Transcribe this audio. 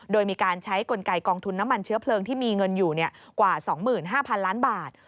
โดยมีการใช้กลไกกองทุนน้ำมันเชื้อเพลิงที่มีเงินอยู่กว่า๒๕๐๐๐ล้านบาท